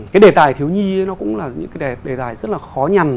cái đề tài thiếu nhi nó cũng là những cái đề tài rất là khó nhằn